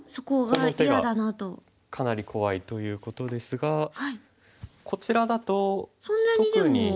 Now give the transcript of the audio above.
この手がかなり怖いということですがこちらだと特に。